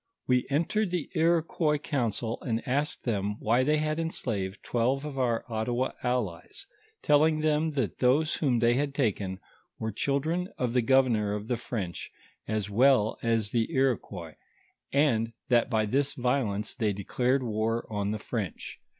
Wo entered the Iroquois council and asked them, why they had enslaved twelve of our Ottawa allies, telling them that those whom they had taken, were children of the governor of the French, as well as tho Iroquois, and that by this violence, they declared war on the French.